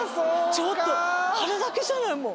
ちょっとあれだけじゃないもう。